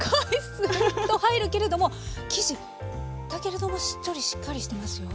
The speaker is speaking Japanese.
スーッと入るけれども生地だけれどもしっとりしっかりしてますよ。